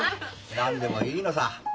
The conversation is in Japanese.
何でもいいのさ。